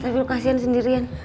sambil kasihan sendirian